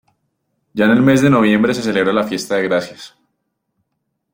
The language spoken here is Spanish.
Ya en el mes de noviembre se celebra la fiesta de Gracias.